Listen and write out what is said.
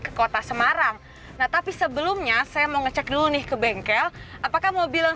ke kota semarang nah tapi sebelumnya saya mau ngecek dulu nih ke bengkel apakah mobil yang